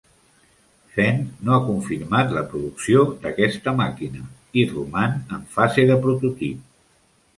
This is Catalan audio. Fendt no ha confirmat la producció d'aquesta màquina, i roman en fase de prototip.